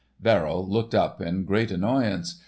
Verrill looked up in great annoyance.